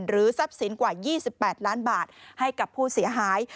ทรัพย์สินกว่า๒๘ล้านบาทให้กับผู้เสียหาย